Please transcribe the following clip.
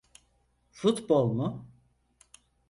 Futbol mu?